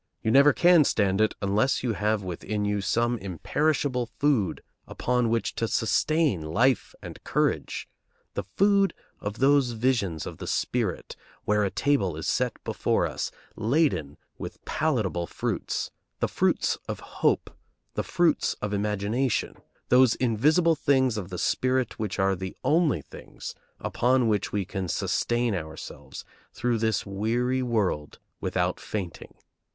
You never can stand it unless you have within you some imperishable food upon which to sustain life and courage, the food of those visions of the spirit where a table is set before us laden with palatable fruits, the fruits of hope, the fruits of imagination, those invisible things of the spirit which are the only things upon which we can sustain ourselves through this weary world without fainting.